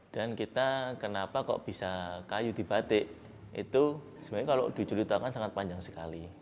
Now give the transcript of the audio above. dan kita kenapa kok bisa kayu dibatik itu sebenarnya kalau dijulitakan sangat panjang sekali